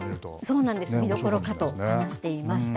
そうなんです、見どころかと話していました。